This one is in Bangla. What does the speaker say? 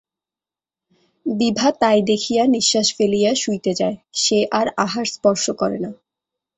বিভা তাই দেখিয়া নিশ্বাস ফেলিয়া শুইতে যায়, সে আর আহার স্পর্শ করে না।